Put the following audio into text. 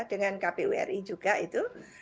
dengan kpu ri juga itu